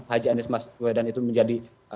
haji anies mas wedan itu menjadi